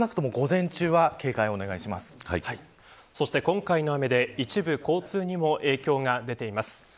少なくとも午前中は今回の雨で、一部交通にも影響が出ています。